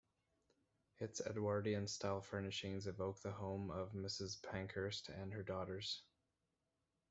Its Edwardian style furnishings evoke the home of Mrs Pankhurst and her daughters.